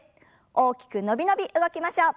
大きく伸び伸び動きましょう。